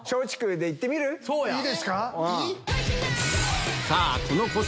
いいですか？